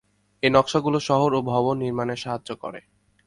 এই নকশাগুলো শহর ও ভবন নির্মাণে সাহায্য করে।